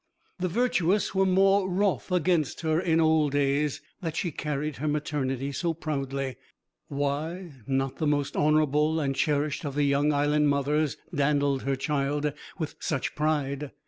The virtuous were more wroth against her in old days that she carried her maternity so proudly. Why, not the most honourable and cherished of the young Island mothers dandled her child with such pride.